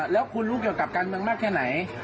แล้วคุณรู้เกี่ยวกับการเมืองมากแค่ไหน